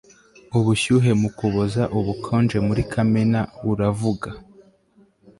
Ubushyuhe mu Kuboza ubukonje muri Kamena uravuga